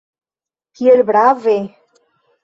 Kiel brave!